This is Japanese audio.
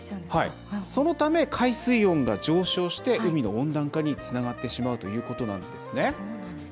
そのため、海水温が上昇して海の温暖化につながってしまうということなんですね。